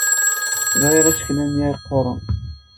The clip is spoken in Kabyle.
Bbiɣ isekla-nni yeqquren.